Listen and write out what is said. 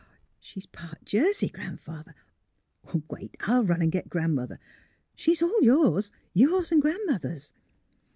"*' She's part Jersey, Gran 'father. — ^Wait! I'll run and get Gran 'mother. She's all yours — yours an' Gran 'mother's."